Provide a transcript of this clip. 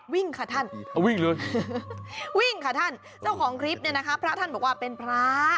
วิ่งค่ะท่านเอาวิ่งเลยวิ่งค่ะท่านเจ้าของคลิปเนี่ยนะคะพระท่านบอกว่าเป็นพระ